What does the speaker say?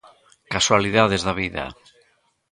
Casualidades da vida.